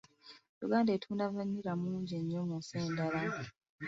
Uganda etunda vanilla mungi nnyo mu nsi endala.